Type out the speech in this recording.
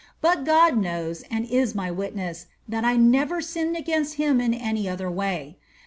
But God knows, and is my witness, that I never sinned against him in any other way.